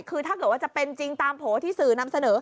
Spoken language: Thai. คือถ้าเกิดว่าจะเป็นจริงตามโผล่ที่สื่อนำเสนอ